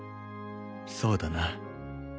そうだな